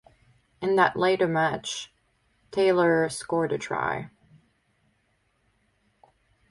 In that latter match Taylor scored a try.